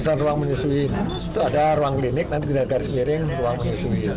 cuma ada tatanan kecil